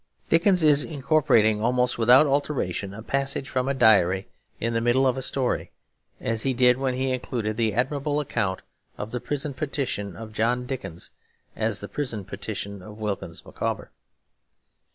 Dickens is incorporating almost without alteration a passage from a diary in the middle of a story; as he did when he included the admirable account of the prison petition of John Dickens as the prison petition of Wilkins Micawber.